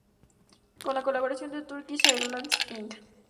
Con la colaboración de Turkish Airlines Inc.